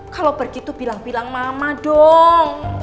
kalau begitu bilang bilang mama dong